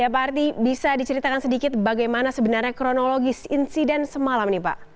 pak ardi bisa diceritakan sedikit bagaimana sebenarnya kronologi insiden semalam